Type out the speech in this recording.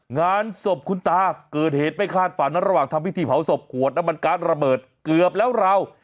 งานศพคุณตาเกิดเหตุไม่คาดฝันระหว่างทำพิธีเผาศพขวดน้ำมันการ์ดระเบิดเกือบแล้วราว